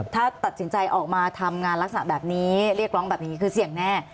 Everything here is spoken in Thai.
ถ้าตัดสินใจออกมาทำงานลักษณะแบบนี้เรียกร้องแบบนี้คือเสี่ยงแน่